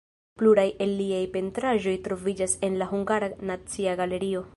Pluraj el liaj pentraĵoj troviĝas en la Hungara Nacia Galerio.